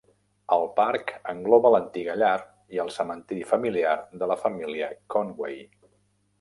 El parc engloba l'antiga llar i cementiri familiar de la família Conway.